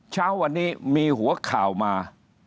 เช้าวันนี้มีหัวข่าวมา